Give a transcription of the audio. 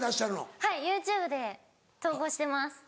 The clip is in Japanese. はいＹｏｕＴｕｂｅで投稿してます。